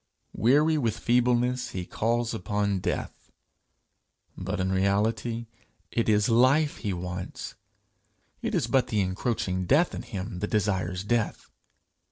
Weary with feebleness, he calls upon death, but in reality it is life he wants. It is but the encroaching death in him that desires death.